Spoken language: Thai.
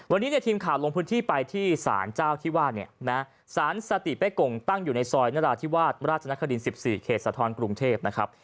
วันนี้เนี่ยทีมข่าวลงพื้นที่ไปที่สารเจ้าที่ว่าเนี่ยนะสารสติเป๊กงตั้งอยู่ในซอยนราธิวาสราชนคริน๑๔เขตสะท้อนกรุงเทพนะครับ